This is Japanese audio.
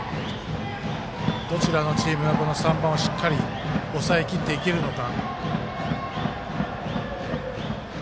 どちらのチームが３番を抑えきっていけるのか。